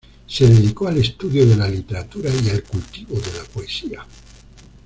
Se dedicó al estudio de la literatura y al cultivo de la poesía.